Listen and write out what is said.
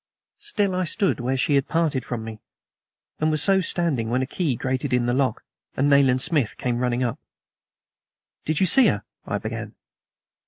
Still I stood where she had parted from me, and was so standing when a key grated in the lock and Nayland Smith came running up. "Did you see her?" I began.